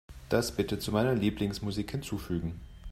Das bitte zu meiner Lieblingsmusik hinzufügen.